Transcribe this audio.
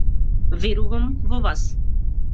Верувам во вас.